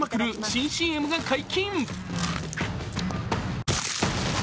新ＣＭが解禁。